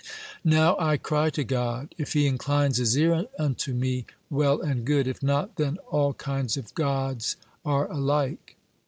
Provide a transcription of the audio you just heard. Now I cry to God. If He inclines His ear unto me, well and good; if not, then all kinds of god are alike."